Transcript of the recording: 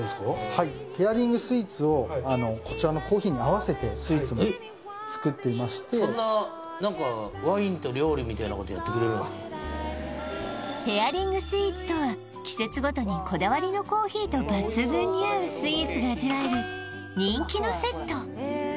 はいペアリングスイーツをこちらのコーヒーに合わせてスイーツも作っていましてなことやってくれるペアリングスイーツとは季節ごとにこだわりのコーヒーと抜群に合うスイーツが味わえる人気のセット